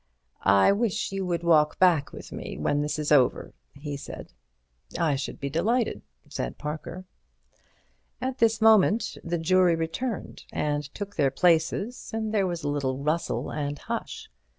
"I wish you would walk back with me when this is over," he said. "I should be delighted," said Parker. At this moment the jury returned and took their places, and there was a little rustle and hush.